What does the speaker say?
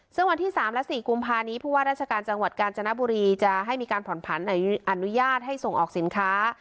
ซึ่งวันที่๓และ๔กุมภานี้ผู้ว่าราชการจังหวัดกาญจนบุรีจะให้มีการผ่อนผันอนุญาตให้ส่งออกสินค้า